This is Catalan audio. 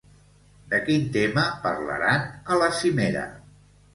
De quin tema parlaran a la cimera?